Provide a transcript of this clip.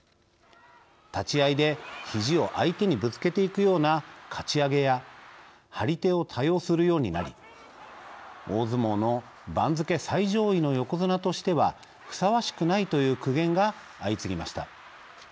立ち合いでひじを相手にぶつけていくようなかち上げや張り手を多用するようになり「大相撲の番付最上位の横綱としてはふさわしくない」という苦言が相次ぎました。